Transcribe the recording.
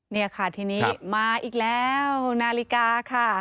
นี่ค่ะทีนี้มาอีกแล้วนาฬิกาค่ะ